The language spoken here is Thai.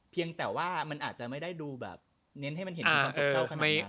เพียงแต่ว่ามันอาจจะไม่ได้เน้นให้มันเห็นความต์เท่าขนาดนั้น